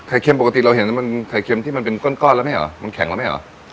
เค็มปกติเราเห็นมันไข่เค็มที่มันเป็นก้อนแล้วแม่เหรอมันแข็งแล้วแม่เหรอ